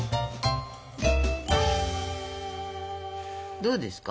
どうですか？